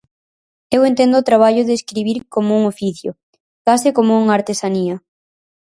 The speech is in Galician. Eu entendo o traballo de escribir como un oficio, case como unha artesanía.